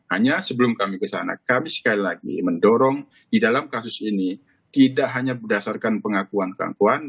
hanya sebelum kami kesana kami sekali lagi mendorong di dalam kasus ini tidak hanya berdasarkan pengakuan pengakuan